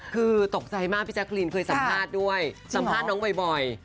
คือตกใจมากพี่แจ๊กรีนเคยสัมภาษณ์ด้วยสัมภาษณ์น้องบ่อย